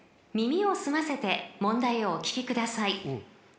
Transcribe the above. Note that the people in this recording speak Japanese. ［耳を澄ませて問題をお聞きください］